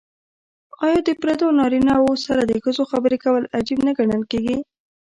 آیا د پردیو نارینه وو سره د ښځو خبرې کول عیب نه ګڼل کیږي؟